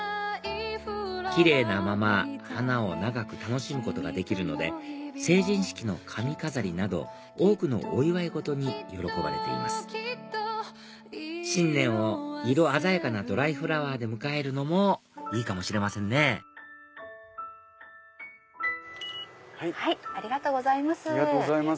キレイなまま花を長く楽しむことができるので成人式の髪飾りなど多くのお祝い事に喜ばれています新年を色鮮やかなドライフラワーで迎えるのもいいかもしれませんねありがとうございます。